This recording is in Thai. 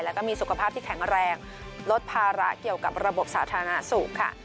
แล้วก็มีสุขภาพที่แข็งแรงลดภาระเกี่ยวกับระบบสาธารณสุขค่ะ